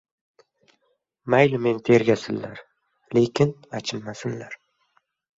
• Mayli meni tergasinlar, lekin achinmasinlar.